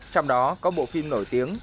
trong đó có bộ phim nổi tiếng